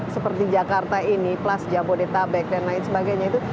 seperti jakarta ini kelas jabodetabek dan lain sebagainya itu